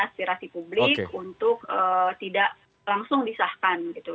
aspirasi publik untuk tidak langsung disahkan gitu